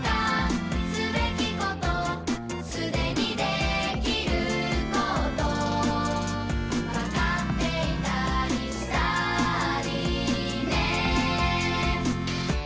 「すべきことすでにできること分かっていたりしたりね」